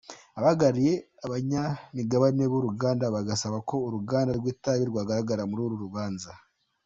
Abahagarariye abanyamigabane b’uruganda bagasaba ko n’uruganda rw’itabi rwagaragara muri uru rubanza.